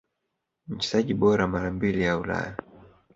Mchezaji bora mara mbili wa Ulaya